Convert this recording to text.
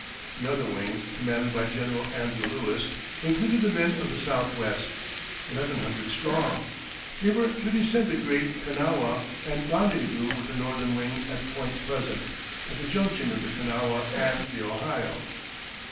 The other wing, commanded by General Andrew Lewis, included the men of the Southwest, eleven hundred strong; they were to descend the Great Kanawha and rendezvous with the northern wing at Point Pleasant, at the junction of the Kanawha and the Ohio.